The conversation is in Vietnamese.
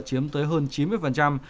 chiếm tới hơn chín mươi doanh nghiệp